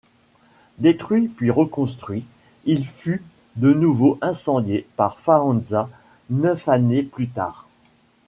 Détruit puis reconstruit, il fut de nouveau incendié par Faenza, neuf années plus tard.